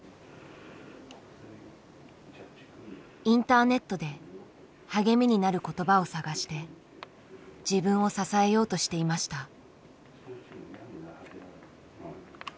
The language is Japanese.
インターネットで励みになる言葉を探して自分を支えようとしていました。